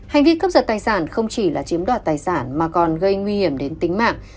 hành vi cướp giật tài sản không chỉ là chiếm đoạt tài sản mà còn gây nguy hiểm đến tính mạng